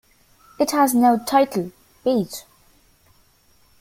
It has no title-page.